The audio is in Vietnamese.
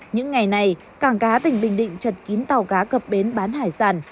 những ngày này cảng cá tỉnh bình định chật kín tàu cá cập bến bán hải sản